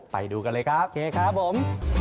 ไปดูกันเลยครับเคครับผม